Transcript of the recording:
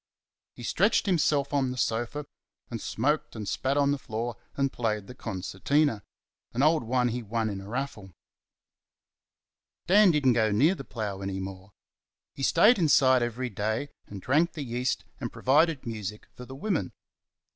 He stretched himself on the sofa, and smoked and spat on the floor and played the concertina an old one he won in a raffle. Dan did n't go near the plough any more. He stayed inside every day, and drank the yeast, and provided music for the women.